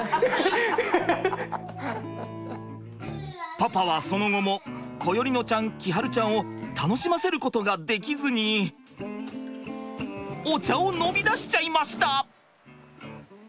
パパはその後も心縁乃ちゃん輝会ちゃんを楽しませることができずにお茶を飲みだしちゃいました。